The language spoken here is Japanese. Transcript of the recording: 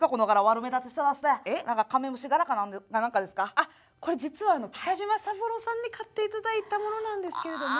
あっこれ実は北島三郎さんに買っていただいたものなんですけれども。